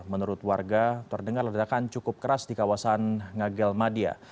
menurut warga terdengar ledakan cukup keras di kawasan ngagel madia